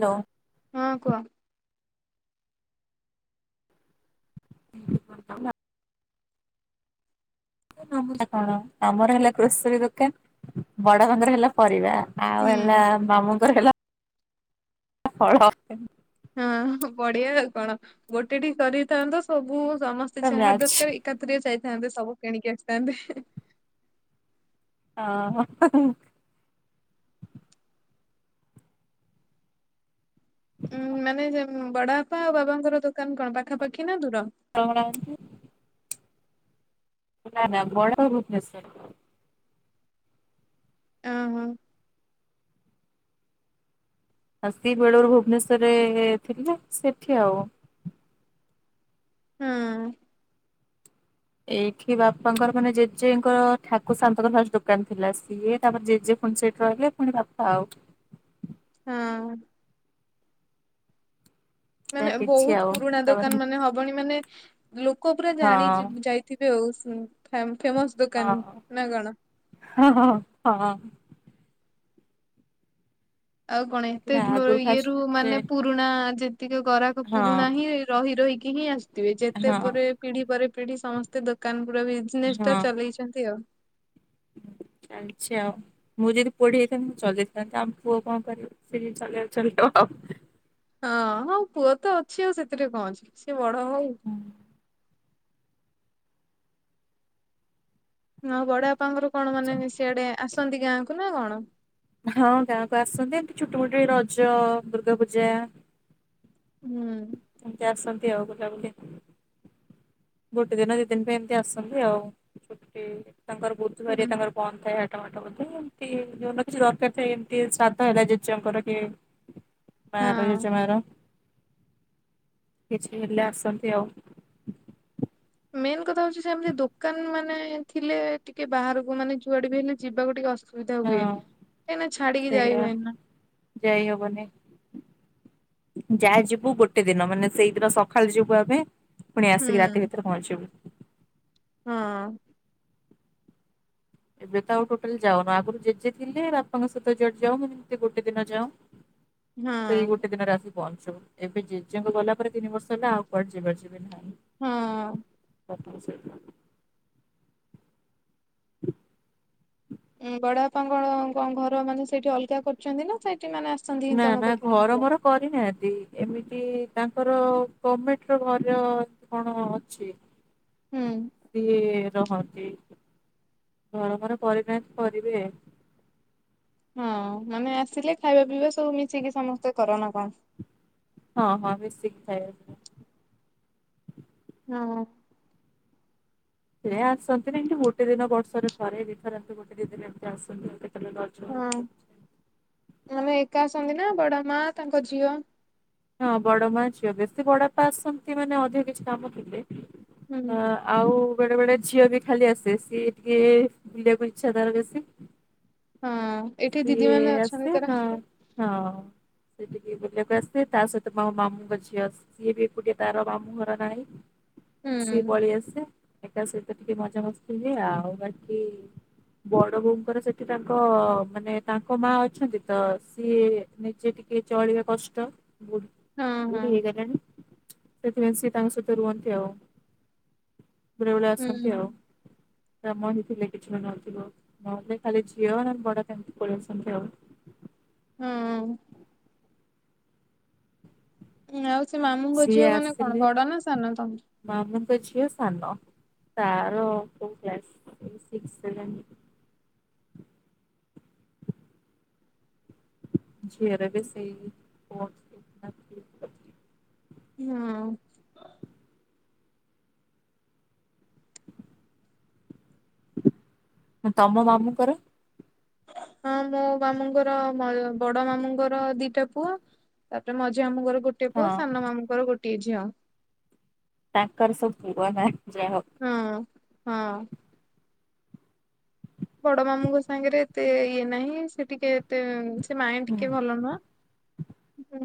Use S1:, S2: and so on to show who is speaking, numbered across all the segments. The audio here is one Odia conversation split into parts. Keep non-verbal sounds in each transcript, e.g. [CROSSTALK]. S1: ହ୍ୟାଲୋ।
S2: ହଁ କୁହ।
S1: [INAUDIBLE] [UNINTELLIGIBLE] କଣ ଆମର ହେଲା ଗ୍ରୋସରୀ ଦୋକାନ ବଡବାପାଙ୍କର ହେଲା ପରିବା। ଆଉ ହେଲା
S2: ହୁଁ
S1: ମାମୁଁଙ୍କର ହେଲା ଫଳ।
S2: ହଁ ବଢିଆ ଆଉ କଣ ଗୋଟେ ଠି କରିଥାନ୍ତ ସବୁ ସମସ୍ତେ ଯାହା ଦରକାର ଏକାତିରେ ଯାଇଥାନ୍ତେ ସବୁ କିଣିକି ଆସିଥାନ୍ତେ।
S1: ଅ ହଁ।
S2: ଉଁ ମାନେ ଯେ ବଡ ବାପା ଆଉ ବାବାଙ୍କର ଦୋକାନ କଣ ପାଖାପାଖି ନା ଦୂର?
S1: [UNINTELLIGIBLE] [UNINTELLIGIBLE]
S2: ହଁ ହଁ।
S1: ଆ ସି ବେଳରୁ ଭୁବନେଶ୍ୱରରେ ଥିଲେ ସେଠି ଆଉ।
S2: ହଁ।
S1: ଏଇଠି ବାପାଙ୍କର ମାନେ ଜେଜେଙ୍କର ଠାକୁ ସାଆନ୍ତଙ୍କ ନାଁରେ ଦୋକାନ୍ ଥିଲା ସିଏ ତାପରେ ଜେଜେ। ପୁଣି ସେଠି ରହିଲେ ପୁଣି ବାପା ଆଉ।
S2: ହଁ। ମାନେ ବହୁତ୍ ପୁରୁଣା ଦୋକାନ ମାନେ ହ ବଣୀ ମାନେ ଲୋକ ପୁରା ଜାଣି ଯିବ୍ ଯାଇଥିବେ ଆଉ ଫେମ୍ ଫେମସ। ଦୋକାନ୍ ନାଁ କଣ?
S1: ହଁ ହଁ ହଁ।
S2: ଆଉ କଣ ଏତେ ଯୁ ଇଏରୁ ମାନେ ପୁରୁଣା ଯେତିକ ଗରାଖ ପୁରୁଣା ହିଁ। ରହି ରହିକି ହିଁ ଆସଥିବେ ଯେତେ ପରେ ପିଢି ପରେ ପିଢି ସମସ୍ତେ ଦୋକାନ ପୁରା ବି ଜନେସ୍ ଟା ଚଲେଇଚନ୍ତି ଆଉ।
S1: ଜାଣଛି ଆଉ। ମୁଁ ଯଦି ପଢି ଯାଇଥାନ୍ତି ମୁଁ ଚଲେଇଥାଆନ୍ତି ଆମ୍ ପୁଅ କଣ କରିବ ସେ ଚଲେଇ ଚଲେଇ ଦବ ଆଉ।
S2: ହଁ ହଉ ପୁଅ ତ ଅଛି ଆଉ ସେଥିରେ କଣ ଅଛି ସିଏ ବଡ ହଉ। ନା ବଡ ବାପାଙ୍କଘରୁ କଣ ମାନେ ସିଆଡେ ଆସନ୍ତି ଗାଁକୁ ନା କଣ?
S1: ହଁ ଗାଁକୁ ଆସନ୍ତି ଛୁଟି ମୁଟି ରେ ରଜ ଦୁର୍ଗା ପୂଜା।
S2: ହୁଁ।
S1: ସେ ଆସନ୍ତି ଆଉ ବୁଲାବୁଲି। ଗୋଟେ ଦିନ ଦି ଦିନ୍ ପାଇଁ ଏମିତି ଆସନ୍ତି ଆଉ ଛୁଟି ତାଙ୍କର ବୁଧୁ
S2: ହୁଁ
S1: ବାରିଆ ତାଙ୍କର। ବନ୍ଦ୍ ଥାଏ ହାଟ ବାଟ ବୋଧେ କି ଯୋଉଦିନ କିଛି ଦରକାର୍ ଥାଏ ଏମତି ଶ୍ରାଦ୍ଧ ହେଲା ଜେଜେଙ୍କର କି। ମାର
S2: ହଁ।
S1: ଜେଜେମାର କିଛି ହେଲେ ଆସନ୍ତି ଆଉ।
S2: ମେନ୍ କଥା ହଉଚି ସେ ଏମତି ଦୋକାନ ମାନେ ଥିଲେ ଟିକେ ବାହାରୁକୁ ମାନେ ଯୁଆଡେ ବି ହେଲେ ଯିବାକୁ ଟିକେ ଅସୁ ବିଧା ହୁଏ କାହିଁନା ଛାଡିକି ଯାଇ ହୁଏନି ନା।
S1: ଯାଇ ହବନି। ଯାହା ଯିବୁ ଗୋଟେ ଦିନ ମାନେ ସେଇଦିନ ସଖାଳେ ଯିବୁ ଆମେ ଫୁଣି ଆସିକି ରାତି
S2: ହୁଁ
S1: ଭିତରେ ପହଞ୍ଚିବୁ।
S2: ହଁ।
S1: ଏବେ ତ ଆଉ ଟୋଟାଲି ଯାଉନୁ ଆଗୁରୁ ଜେଜେ ଥିଲେ ବାପାଙ୍କ ସହିତ ଜୁଆଡେ ଯାଉ ମାନେ ଯେମତି ଗୋଟେ ଦିନ ଯାଉ।
S2: ହଁ
S1: [INAUDIBLE] ସେଇ ଗୋଟେ ଦିନରେ ଆସି ପହଞ୍ଚୁ ଏବେ ଜେଜେଙ୍କ ଗଲା ପରେ ତିନି ବର୍ଷ ହେଲା ଆଉ କୁଆଡେ ଯିବାର ଯିବ। ବିନା
S2: ହଁ।
S1: [UNINTELLIGIBLE] [INAUDIBLE]
S2: ଉଁ ବଡ ବାପାଙ୍କ ଘର ମାନେ ସେଇଠି ଅଲଗା କରଚନ୍ତି ନା ସେଇଠି ମାନେ। ଆସନ୍ତି ହିଁ
S1: ନା
S2: ତମ
S1: ନା
S2: ପାଖରେ ହିଁ
S1: ଘର ମୋର
S2: ରୁହନ୍ତି?
S1: କ କରିନାହାନ୍ତି ଏମିତି ତାଙ୍କର ଗମେଣ୍ଟ୍ ର ଘର। କଣ ଅଛି।
S2: ହୁଁ।
S1: ସିଏ ରହନ୍ତି ଘରଫର କରି ନାହାନ୍ତି କରିବେ।
S2: ହଁ ମାନେ ଆସିଲେ ଖାଇବା ପିଇବା ସବୁ ମିଶିକି ସମସ୍ତେ କରନା କଣ?
S1: ହଁ ହଁ ମିଶିକି ଖାଇବା।
S2: ହଁ।
S1: ସିଏ ଆସନ୍ତିନି କି ଗୋଟେ ଦିନ ବର୍ଷରେ ଥରେ ଦି ଥର ଏମତି ଗୋଟେ ଦି ଦିନ ଏମତି ଆସନ୍ତି କେତେବେଳେ ର
S2: ହଁ ମାନେ ଏକା ସାଙ୍ଗରେ ବଡ ମା ତାଙ୍କ ଝିଅ।
S1: ହଁ ବଡ ମା ଝିଅ ବେଶୀ ବଡପା ଆସଛନ୍ତି ମାନେ ଅଧିକ କିଛି କାମ ଥିଲେ
S2: ହୁଁ
S1: ଅଁ। ଆଉ ବେଳେବେଳେ ଝିଅ ବି ଖାଲି ଆସେ ସିଏ ଟିକେ ବୁଲିବାକୁ ଇଚ୍ଛା ତାର ବେଶୀ।
S2: ହଁ ଏଠି ଦିଦି ମାନେ ଅଛନ୍ତି ତାର।
S1: ହଁ ସେ ଟିକେ ବୁଲିବାକୁ ଆସେ ତା ସହିତ ମୋ ମାମୁଁଙ୍କ ଝିଅଆସ। ସିଏ ବି ଗୋଟେ ତାର ମାମୁଁ ଘର ନାହିଁ
S2: ହୁଁ
S1: ସିଏ ପଳେଇଆସେ। ତା ସହିତ ଟିକେ ମଜା ମସ୍ତି ହୁଏ ଆଉ ବାକି ବଡ ବୋଉଙ୍କର ସେଠି ତାଙ୍କ ମାନେ ତାଙ୍କ ମା ଅଛନ୍ତି ତ ସିଏ ନିଜେ ଟିକେ ଚଳିବା କଷ୍ଟ।
S2: ହଁ ହଁ
S1: ବୁଢୀ ହେଇଗଲେଣି ସେଥିପାଇଁ ସିଏ ତାଙ୍କ ସହିତ ରୁହନ୍ତି ଆଉ। ବେଳେବେଳେ
S2: ହୁଁ
S1: ଆସନ୍ତି ଆଉ। କାମ ହିଁ ଥିଲେ କିଛି ବି ନଥିବ ନହେଲେ ଖାଲି ଝିଅ ନହେଲେ ବଡ [INAUDIBLE] ପଳେଇଆସନ୍ତି ଆଉ।
S2: ହଁ। ଆଉ ସେ ମାମୁଁଙ୍କ ଝିଅ ମାନେ କଣ ବଡ ନା ସାନ ତମେ?
S1: ମାମୁଁ ଙ୍କ ଝିଅ ସାନ ତାର କୋଉ କ୍ଲାସ ସିକ୍ସ ସେଭେନ ଝିଅର ବି ସେଇ
S2: ନା।
S1: ତମ ମାମୁଙ୍କର?
S2: ହଁ ମୋ ମାମୁଁଙ୍କର ବ ବଡ ମାମୁଁଙ୍କର ଦିଟା ପୁଅ ତାପରେ ମଝିଆ ମାମୁଁଙ୍କର ଗୋଟେ ପୁଅ, ସାନ ମାମୁଙ୍କର ଗୋଟିଏ ଝିଅ।
S1: ତାଙ୍କର ସବୁ ପୁଅ ନା ଯାହା ହଉ।
S2: ହଁ ହଁ। ବଡ ମାମୁଁଙ୍କ ସାଙ୍ଗେରେ ଏତେ ଇଏ ନାହିଁ ସେ ଟିକେ ଏତେ ସେ ମାଇଁ ଟିକେ ଭଲ ନୁହଁ।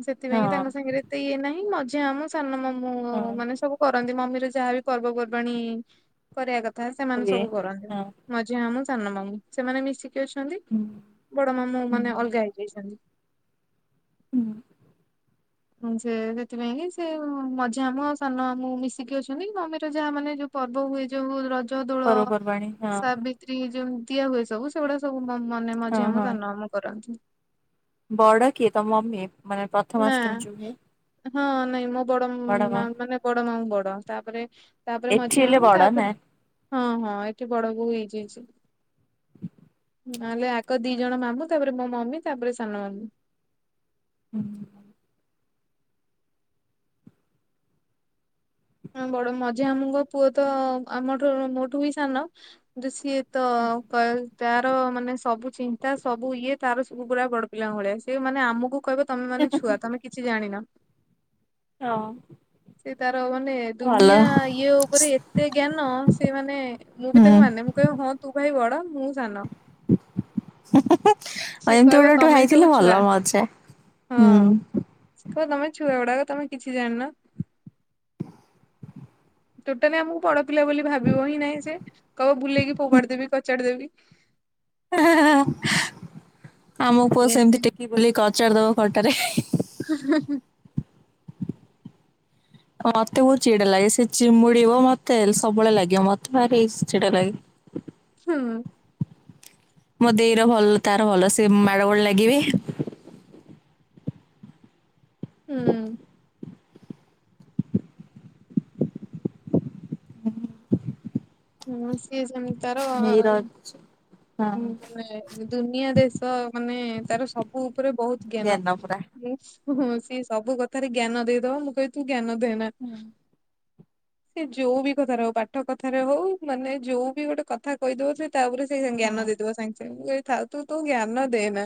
S2: ସେଥିପାଇଁ କି ତାଙ୍କ ସାଙ୍ଗରେ ଏତେ ଇଏ ନାହିଁ ମଝିଆ ମାମୁଁ ସାନ ମାମୁଁ ମାନେ ସବୁ କରନ୍ତି ମମିର ଯାହା ବିି ପର୍ବପର୍ବାଣୀ କରିବା କଥା ସେମାନେ ସବୁ କରନ୍ତି। ମଝିଆ ମାମୁଁ ସାନ ମାମୁଁ ସେମାନେ ମିଶିକି ଅଛନ୍ତି।
S1: ହୁଁ।
S2: ବଡ ମାମୁଁ ମାନେ ଅଲଗା ହେଇଯାଇଛନ୍ତି।
S1: ହୁଁ।
S2: ହଁଊ ସେ ସେଥିପାଇଁ କି ସେ ମଝିଆ ମାମୁଁ ଆଉ ସାନ ମାମୁଁ ମିଶିକି ଅଛନ୍ତି ମମିର ଯାହା ମାନେ ଯଉ ପର୍ବ ହୁଏ ଯଉ ରଜ ଦୋଳ, ସାବିତ୍ରୀ ଯଉ ଦିଆ ହୁଏ ସବୁ ସେଗୁଡା ସବୁ ମ ମାନେ ମଝିଆ ମାମୁଁ ସାନ ମାମୁଁ କରନ୍ତି।
S1: ବଡ଼ କିଏ ତମ ମେ ମାନେ ପ୍ର
S2: ନା। ହଁ ନାଇଁ ମୋ ବଡ ମା ମାନେ ବଡ ମାମୁ ବଡ ତାପରେ ତାପରେ ମଝିଆ ମାମୁଁ ତାପରେ ହଁ ହଁ ଏଠି ବଡ ବୋହୁ ହେଇଯାଇଚି। ନହେଲେ ଆଗ ଦି ଜଣ ମାମୁଁ ତାପରେ ମୋ ମମି ତାପରେ ସାନ ମାମୁଁ।
S1: [UNINTELLIGIBLE]
S2: ବଡ ମଝିଆ ମାମୁଁଙ୍କ ପୁଅ ତ ଆମଠା ମୋଠୁ ବି ସାନ କିନ୍ତୁ ସିଏ ତ କ ତାର ମାନେ ସବୁ ଚିନ୍ତା ସବୁ ଇଏ ତାର ସବୁ ଗୁୁରା ବଡ ପିଲାଙ୍କ ଭଳିଆ ସିଏ ମାନେ ଆମକୁ କହିବ ତମେ ମାନେ ଛୁଆ ତମେ କିଛି ଜାଣିନ।
S1: ହଁ।
S2: ସେ ତାର ମାନେ ଦୁନିଆ ଇଏ ଉପରେ ଏତେ ଜ୍ଞାନ ସେ ମାନେ ମୁଁ ବି
S1: ହୁଁ
S2: ତାକୁ ମାନେ।
S1: ଆଉ
S2: କହିବ ହଁ ତୁ ଭାଇ ବଡ ମୁଁ ସାନ।
S1: [UNINTELLIGIBLE]
S2: ସିଏ କହିବ
S1: ଗୋଟେ ଗୋଟେ
S2: ତମେ
S1: ହେଇଥିଲେ
S2: ସବୁ
S1: ଭଲ
S2: ଛୁଆ
S1: ମଜା।
S2: ହଁ।
S1: ହୁଁ।
S2: ସେ କହିବ ତମେ ଛୁଆ ଗୁଡାକ ତମେ କିଛି ଜାଣିନ। ଟୋଟାଲି ଆମକୁ ବଡ ପିଲା ବୋଲି ଭାବିବ ହିଁ ନାଇଁ ସେ, କହିବ ବୁଲେଇକି ଫୋପାଡି ଦେବି କଚାଡି ଦେବି।
S1: [UNINTELLIGIBLE] ଆମ ପୁଅ ସେମିତି
S2: ଏମତି
S1: ଟେକି ବୁଲିକି କଚାଡି ଦବ ଖଟରେ
S2: [UNINTELLIGIBLE]
S1: ମତେ ବହୁତ ଚିଡା ଲାଗେ, ସେ ଚିମୁଡିବ ମତେ ସବୁବେଳେ ଲାଗିବ ମତେ ଭାରି ଚିଡା ଲାଗେ।
S2: ହୁଁ?
S1: ମୋ ଦେଇ ର ଭଲ, ତାର ଭଲ ସେ ମାଡ଼ ଗୋଳ ଲାଗିବେ।
S2: ହୁଁ। ହୁଁ ସିଏ ସେମିତି ତାର
S1: ଦେଇର ହଁ
S2: ମାନେ ଦୁନିଆ ଦେଶ, ମାନେ ତାର ସବୁ ଉପରେ ବହୁତ ଜ୍ଞାନ। ହଁ ସିଏ ସବୁ କଥାରେ ଜ୍ଞାନ ଦେଇଦବ ମୁଁ କହିବି ତୁ ଜ୍ଞାନ ଦେନା।
S1: [INAUDIBLE]
S2: ସେ ଯୋଉ ବି କଥାରେ ହଉ, ପାଠ କଥାରେ ହଉ ମାନେ ଯୋଉ ବି ଗୋଟେ କଥା କହିଦଉ ସେ ତାପରେ ସେଇ
S1: ହୁଁ
S2: ଜ୍ଞାନ ଦେଇଦବ ସାଙ୍ଗେ ସାଙ୍ଗେ, ମୁଁ କହିବି ଥାଉ ତୁ ତୋ ଜ୍ଞାନ ଦେ ନା।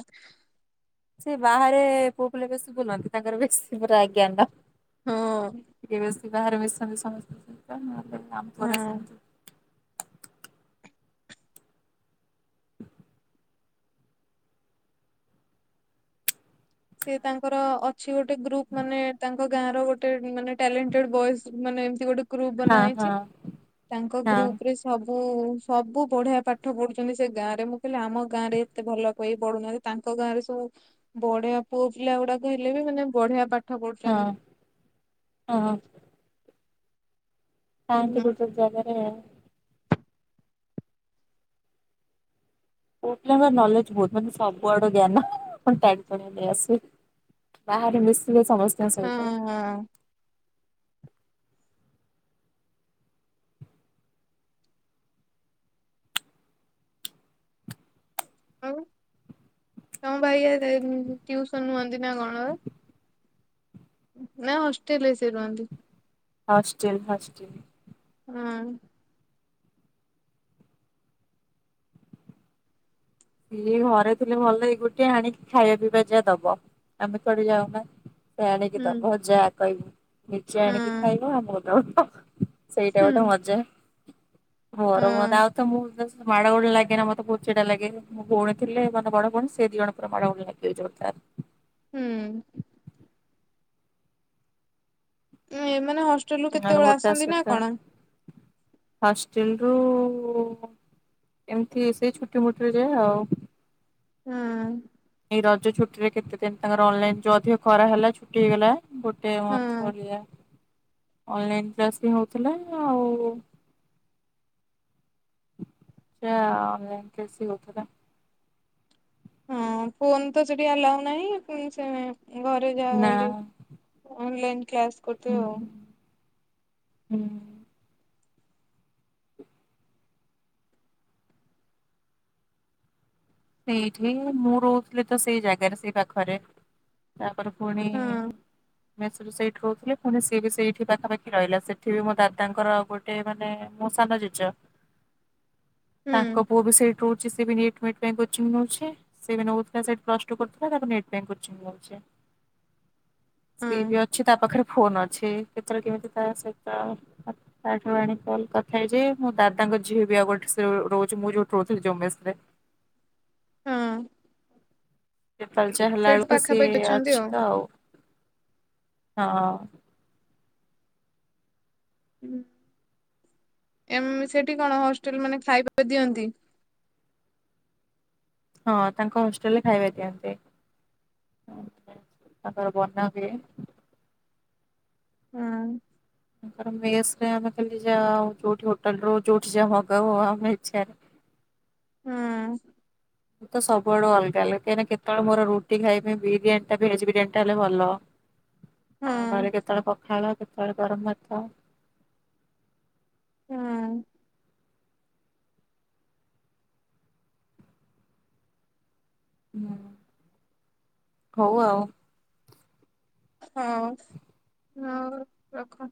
S1: ସେ ବାହାରେ ପୁଅ ପିଲା ବେଶୀ ବୁଲନ୍ତି, ତାଙ୍କର ବେଶୀ ପୁରା ଜ୍ଞାନ।
S2: ହଁ।
S1: ଟିକେ ବେସି ବାହାରେ ମିଶା ମୁଶି କରନ୍ତି ତ ନହେଲେ ଆମ ପୁଅ ହରା
S2: ହଁ
S1: ସେମିତି। [INAUDIBLE]
S2: ସେ ତାଙ୍କର ଅଛି ଗୋଟେ ଗ୍ରୁପ, ମାନେ ତାଙ୍କ ଗାଁ ର ଗୋଟେ ମାନେ ଟ୍ୟାଲେଣ୍ଟେଡ ବଏଜ୍‌ ମାନେ ଏମତି ଗୋଟେ ଗ୍ରୁପ ବନାହେଇଛି ତାଙ୍କ ଗ୍ରୁପ ରେ ସବୁ ସବୁ ବଢିଆ ପାଠ ପଢୁଛନ୍ତି ସେ ଗାଁ ରେ ମୁଁ କହିଲି ଆମ ଗାଁ ରେ ଏତେ ଭଲ କହି ପଢୁନାହାନ୍ତି। ତାଙ୍କ ଗାଁ ରେ ସବୁ ବଢିଆ ପୁଅ ପିଲା ଗୁଡାକ ହେଲେ ବି ମାନେ ବଢିଆ ପାଟି
S1: ହଁ ହଁ। ଥାନ୍ତି
S2: ହୁଁ
S1: ଗୋଟେ ଜାଗା ରେ। ପୁଅ ପିଲା ଙ୍କ ନଲେଜ ବହୁତ ମାନେ ସବୁ ଆଡୁ ଜ୍ଞାନ ଟାଣି ଟୁଣିକି ନେଇଆସିବେ। ବାହାରେ ମିଶିବେ ସମସ୍ତଙ୍କ ସହିତ।
S2: ହଁ ହଁ। ହଉ ତମ ଭାଇ ଆଜି ଯାଇ ଟ୍ୟୁସନ ହୁଅନ୍ତି ନା କଣ ପା? ନାଁ ହଷ୍ଟେଲ୍ ରେ ସେ ରୁହନ୍ତିି।
S1: Hostel hostel.
S2: ହୁଁ।
S1: ଇଏ ଘରେ ଥିଲେ ଭଲ, ଏଇ ଗୋଟେ ଆଣିକି ଖାଇବା ପିଇବା ଯା ଦବ ଆମେ କୁଆଡେ ଯାଉନା। ସେ ଆଣିକି
S2: ହୁଁ
S1: ଦବ ଯାହା କହିବି ନିଜେ
S2: ହଁ
S1: ଆଣିକି ଖାଇବ ଆମକୁ ଆଣିକି ଦବ। ସେଇଟା
S2: ହୁଁ
S1: ଗୋଟେ ମଜ୍ଜା। ହର ହ
S2: ହଁ
S1: ଆଉ ତ ମୁ ଦ ମାଡ଼ୋ ଲାଗେନା ମତେ ବହୁତ୍ ଚିଡା ଲାଗେ। ମୋ ଭଉଣୀ ଥିଲେ ମାନେ ବଡ ଭଉଣୀ ସେ ଦିଜଣ ପୁରା ମାଡ ଗୁଳ ଲାଗିବେ ଯୋର୍ ଦାର୍।
S2: ହୁଁ। ଉଁ ଏମାନେ ହଷ୍ଟେଲ ରୁ କେତେବେଳେ ଆସନ୍ତି ନା କଣ?
S1: ହଷ୍ଟେଲ ରୁ ଏମିତି ସେଇ ଛୁଟି ମୁଟିରେ ଯା ଆଉ।
S2: ହୁଁ।
S1: ଏଇ ରଜ ଛୁଟି ରେ କେତେ ଦିନ ତାଙ୍କର ଅନଲାଇନ ଯୋଉ ଅଧିକ ଖରା ହେଲା ଛୁଟି ହେଇଗଲା। ଗୋଟେ ମନ୍ଥ
S2: ହଁ।
S1: ଭଳିଆ ଅନଲାଇନ୍ କ୍ଲାସ ବି ହଉଥିଲା ଆଉ ସେଟା ଅନ୍ଲାଇନ୍ ବେଶି ହୋଉଥିଲା।
S2: ହଁ ଫୋନ୍ ତ ସେଠି ଆଲାଉ ନାହିଁ ସେ ଘରେ ଯାହା ଗଲି। ଅନ୍ଲାଇନ୍ କ୍ଲାସ କରୁଥିବେ ଆଉ।
S1: ହୁଁ। ସେଇଠି ମୁଁ ରହୁଥିଲି ତ ସେଇ ଜାଗାରେ ସେଇ ପାଖରେ ତାପରେ ପୁଣି
S2: ହଁ
S1: ମେସରୁ ସେଇଠି ରହୁଥିଲି, ପୁଣି ସିଏ ବି ସେଇଠି ପାଖପାଖି ରହିଲା, ସେଠି ବି ମୋ ଦାଦାଙ୍କର ଆଉ ଗୋ ଟେ ମାନେ ମୋ ସାନ ଜେଜ
S2: ହୁଁ
S1: ତାଙ୍କ ପୁଅ ବି ସେଇଠୁ ରହୁଛି, ସେ ବି ନିଟ ମିଟ ପାଇଁ କୋଚିଙ୍ଗ ନଉଛି, ସେ ବି ନଉଥିଲା ସେଟି ପ୍ଲସଟୁ କରୁଥିଲା, ତାପରେ ନିଟ ପାଇଁ କୋଚିଙ୍ଗ ନଉଛି। ପି
S2: ହଁ
S1: ବି ଅଛି ତା ପାଖରେ ଫୋନ ଅଛି, କେତେବେଳେ କେମିତି ତାସହିତ କ ତାଠୁ ଆଣି କଲ କଥା ହେଇ ଯେ ମୁଁ ତାର ତାଙ୍କ ଝିଅ ବି ଆଉ ଗୋଟେ ସେଓ ରହୁଛି ମୁଁ ଯୋଉଠି ରହୁଥିଲି ଯୋଉ ମେଶ ରେ।
S2: ହଁ।
S1: ଟିକେ ପଲଚା ହେଲା
S2: ସେଇଠି
S1: ବେଳକୁ ସିଏ
S2: ପାଖାପାଖି ଅଛନ୍ତି
S1: ଅଛି ତ ଆଉ, ହଁ।
S2: ଉଁ, ଏମ୍ ସେଠି କଣ ହଷ୍ଟେଲ ମାନେ ଖାଇବା ଦିଅନ୍ତି?
S1: ହଁ, ତାଙ୍କ ହୋଷ୍ଟେଲରେ ଖାଇବା ଦିଅନ୍ତି। ଓହୋ, ତାଙ୍କର ବନା ବିଏ।
S2: ହଁ।
S1: ତାଙ୍କ ମେସରେ ଆମେ ଖାଲି ଯାଉ ଜଉଠି ହୋଟେଲ ରୁ ଯୋଠି ଯା ମଗା ହୁଆ ଆମ ଇଚ୍ଛାରେ।
S2: ହଁ।
S1: ମୁଁ ତ ସବୁଆଡୁ ଅଲଗା ଲଗାକାହିଁକି କେତେବେଳେ ମୋର ରୁଟି ଖାଇବି ବିରିୟାନୀ ଟା ଭେଜ ବିରିୟାନୀ ଟା ହେଲେ ଭଲ।
S2: ହଁ।
S1: ଆଉ ନହେଲେ କେତେବେଳେ ପଖାଳ, କେତେବେଳେ ଗରମ ଭାତ।
S2: ହଁ।
S1: ହୁଁ, ହଉ ଆଉ।
S2: ହଉ ହଁ ରଖ।